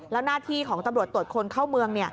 แล้วหน้าที่ของตำรวจตรวจคนเข้าเมือง